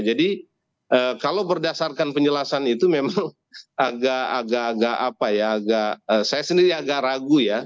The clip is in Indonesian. jadi kalau berdasarkan penjelasan itu memang agak agak apa ya agak saya sendiri agak ragu ya